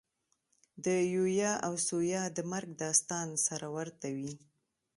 د یویا او ثویا د مرګ داستان سره ورته وي.